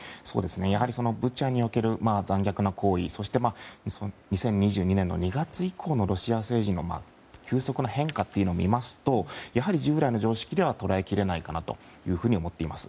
やはり、ブチャにおける残虐な行為そして、２０２２年の２月以降のロシア政治の急速な変化を見ますとやはり従来の常識では捉え切れないと思っています。